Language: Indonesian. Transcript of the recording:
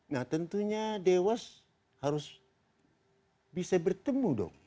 nah tentunya dewas harus bisa bertemu dong